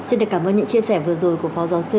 xin được cảm ơn những chia sẻ vừa rồi của phó giáo sư